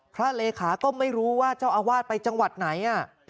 เลขาก็ไม่รู้ว่าเจ้าอาวาสไปจังหวัดไหน